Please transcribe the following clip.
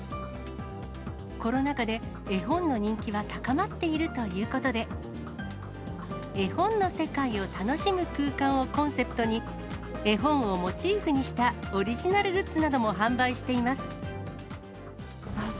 コロナ禍で絵本の人気は高まっているということで、絵本の世界を楽しむ空間をコンセプトに、絵本をモチーフにしたオリジナルグッズなども販売しています。